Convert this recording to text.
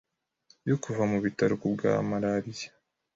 yo kuva mu bitaro ku bwa malariya!